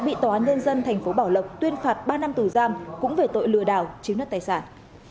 bị tòa án dân dân thành phố bảo lộc tuyên phạt ba năm tù giam cũng về tội lừa đảo chiếm đất tài sản